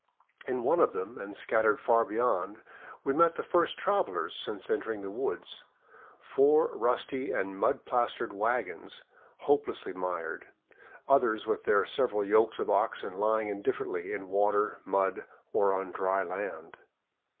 In one of them, and scattered far beyond, we met the first travelers since entering the woods, — four rusty and mud plastered wagons, hopelessly mired, others with their several yokes of oxen lying indifferently in water, mud, or on dry land.